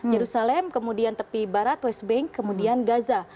yerusalem kemudian tepi barat west bank kemudian gaza